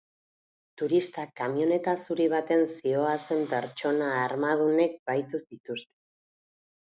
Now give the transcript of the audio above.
Turistak kamioneta zuri baten zihoazen pertsona armadunek bahitu dituzte.